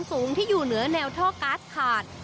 กลางสู่เหนือแนวท่อกาสขาด